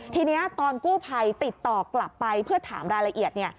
ทีนี้ตอนกู้ภัยติดต่อกลับไปเพื่อถามรายละเอียด